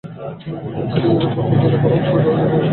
স্টেজের উপর থেকে, এটা কোন অগ্নিসংযোগকারী নয়।